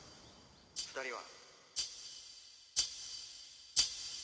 「２人は」